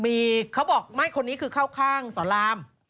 มีเขาบอกไม่คนนี้คือเข้าข้างสอนราม